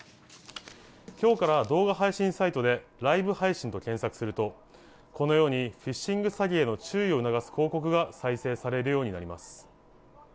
今日から動画配信サイトでライブ配信と検索するとこのようにフィッシング詐欺への注意を促す広告が再生されるようになります。